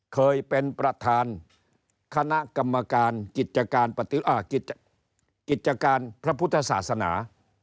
เคยเป็นประธานคณะกรรมการกิจการกิจการพระพุทธศาสนา